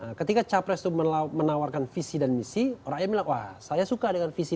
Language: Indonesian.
nah ketika capres itu menawarkan visi dan misi rakyat bilang wah saya suka dengan visi